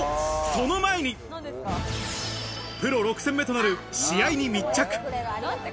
と、その前に、プロ６戦目となる試合に密着。